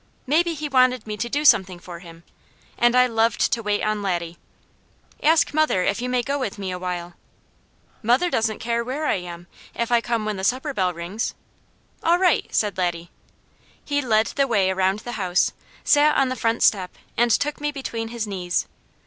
Maybe he wanted me to do something for him, and I loved to wait on Laddie. "Ask mother if you may go with me a while." "Mother doesn't care where I am, if I come when the supper bell rings." "All right!" said Laddie. He led the way around the house, sat on the front step and took me between his knees.